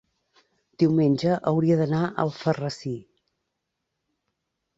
Diumenge hauria d'anar a Alfarrasí.